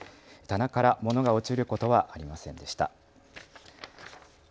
棚から物が落ちることはありませんでした。